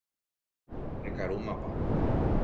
rekarúmapa